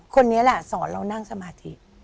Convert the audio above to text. คนนี้แหละสอนเรานั่งสมาธิ